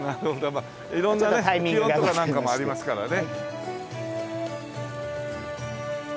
やっぱり色んなね気温とかなんかもありますからね。